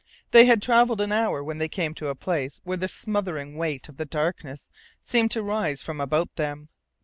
They had travelled an hour when they came to a place where the smothering weight of the darkness seemed to rise from about them.